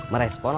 terus m mains